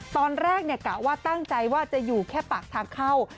กะว่าตั้งใจว่าจะอยู่แค่ปากทางเข้า